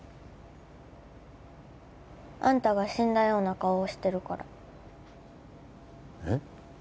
あんたが死んだような顔をしてるからえっ？